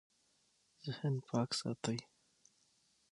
ذهن پاک ساتئ